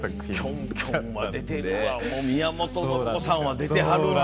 キョンキョンは出てるわもう宮本信子さんは出てはるわ。